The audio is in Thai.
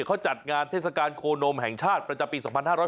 เขาจัดงานเทศกาลโคนมแห่งชาติประจำปี๒๕๕๙